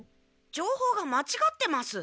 情報がまちがってます。